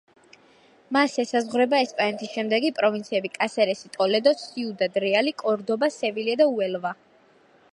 მას ესაზღვრება ესპანეთის შემდეგი პროვინციები: კასერესი, ტოლედო, სიუდად რეალი, კორდობა, სევილია და უელვა.